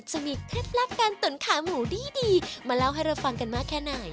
เคล็ดลับการตุ๋นขาหมูดีมาเล่าให้เราฟังกันมากแค่ไหน